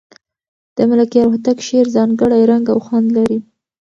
د ملکیار هوتک شعر ځانګړی رنګ او خوند لري.